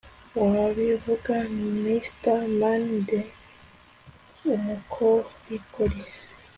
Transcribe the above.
Wabivuga Mister Man Ndi umukorikori